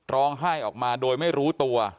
ร้องไห้ออกมาโดยไม่รู้ตัว